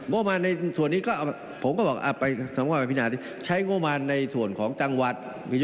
โงมันในส่วนนี้ก็ผมก็บอกอ่ะไปสมมุติว่าใช้โงมันในส่วนของจังหวัด